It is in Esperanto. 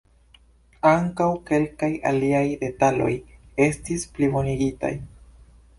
Ankaŭ kelkaj aliaj detaloj estis plibonigitaj.